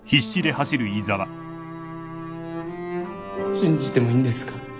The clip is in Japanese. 信じてもいいんですか？